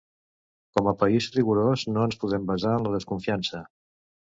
Com a país rigorós, no ens podem basar en la desconfiança.